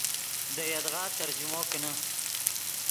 دے یدغا ترجمو کینے